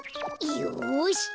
よし！